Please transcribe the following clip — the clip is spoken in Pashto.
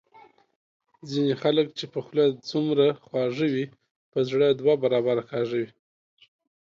ځینی خلګ چي په خوله څومره خواږه وي په زړه دوه برابره کاږه وي